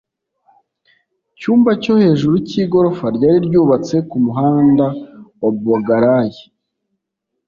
cyumba cyo hejuru cy igorofa ryari ryubatse ku muhanda wa bogalay